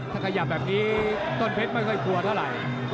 ถ้าขยับแบบนี้ต้นเพชรไม่ค่อยกลัวเท่าไหร่